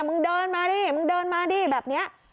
มึงเดินมาดิมึงเดินมาดิแบบนี้